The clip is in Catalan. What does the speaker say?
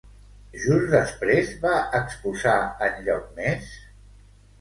Just després, va exposar enlloc més?